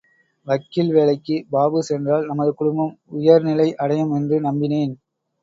வக்கீல் வேலைக்கு பாபு சென்றால் நமது குடும்பம் உயர்நிலை அடையும் என்று நம்பினேன்.